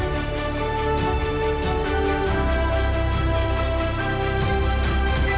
โปรดติดตามตอนต่อไป